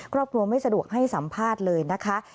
ครอบครัวไม่สะดวกให้สัมภาษณ์เลยนะคะ